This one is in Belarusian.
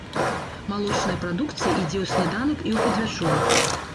Малочная прадукцыя ідзе ў сняданак і ў падвячорак.